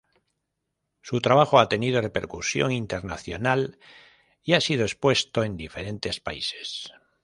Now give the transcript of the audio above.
Su trabajo ha tenido repercusión internacional y ha sido expuesto en diferentes países.